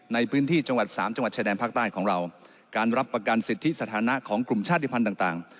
ในพื้นที่จังหวัดสามจังหวัดชายแดนภาคใต้ของเราการรับประกันสิทธิสถานะของกลุ่มชาติภัณฑ์ต่างต่าง